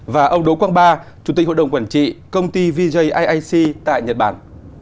và ông đỗ quang ba chủ tịch hội đồng quản trị công ty vjac tại nhật bản